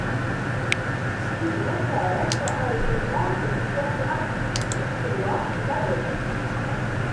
Jules Merckaert a été membre du cercle artistique bruxellois Labeur.